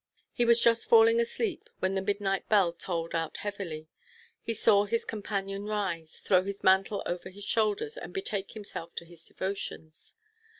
He was just falling asleep, when the midnight bell tolled out heavily. He saw his companion rise, throw his mantle over his shoulders, and betake himself to his devotions.